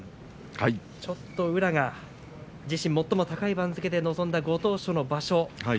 ちょっと宇良が自身最も高い番付で臨んだご当所の場所